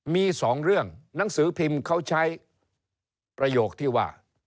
มีสองเรื่องหนังสือพิมพ์เขาใช้ประโยคที่ว่า